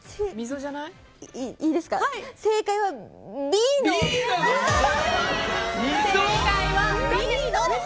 正解はＢの溝です。